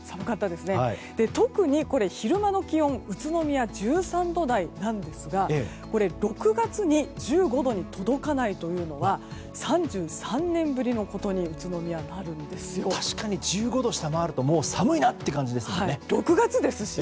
特に昼間の気温宇都宮は１３度台なんですが６月に１５度に届かないというのは３３年ぶりのことに確かに１５度を下回るともう寒いなっていう感じですよね。